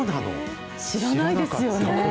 知らないですよね。